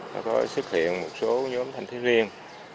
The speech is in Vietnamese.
nó có xuất hiện một số nhóm thanh thiếu riêng